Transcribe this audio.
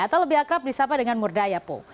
atau lebih akrab disapa dengan murdaya po